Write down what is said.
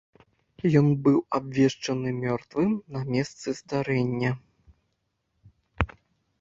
Ён быў абвешчаны мёртвым на месцы здарэння.